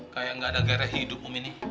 kayak nggak ada gara hidup umi nih